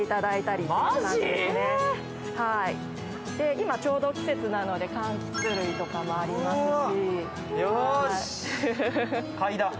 今ちょうど季節なので柑橘類もありますし。